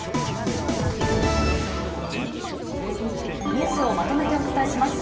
ニュースをまとめてお伝えします。